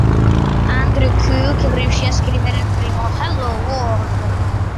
Andrew Cooke riuscì a scrivere il primo "Hello, world!